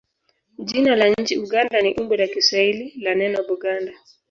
Jina la nchi Uganda ni umbo la Kiswahili la neno Buganda.